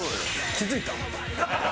気付いた？